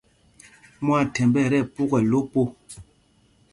Mwaathɛmb ɛ tí ɛpukɛl lo po.